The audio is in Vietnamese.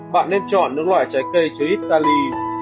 bạn nên chọn những loại trái cây chứa ít ta lì